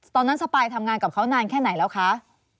สปายทำงานกับเขานานแค่ไหนแล้วคะ